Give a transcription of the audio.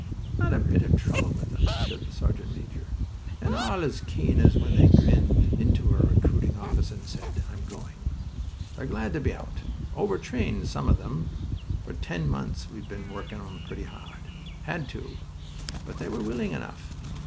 "Not a bit of trouble with them," said the sergeant major, "and all as keen as when they grinned into a recruiting office and said, `I'm going.' They're glad to be out. Over trained, some of 'em. For ten months we've been working 'em pretty hard. Had to, but they were willing enough.